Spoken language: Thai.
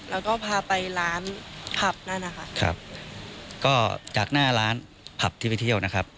แล้วก็พาไปร้านผับนั่นนะคะครับก็จากหน้าร้านผับที่ไปเที่ยวนะครับ